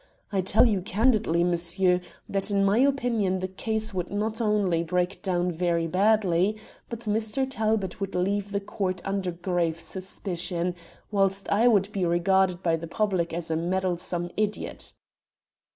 I tell you candidly, monsieur, that in my opinion the case would not only break down very badly, but Mr. Talbot would leave the court under grave suspicion, whilst I would be regarded by the public as a meddlesome idiot."